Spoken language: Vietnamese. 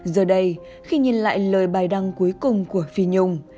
giờ đây khi nhìn lại lời bài đăng cuối cùng của phi nhung